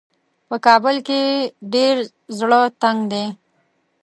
په کابل کې یې ډېر زړه تنګ دی.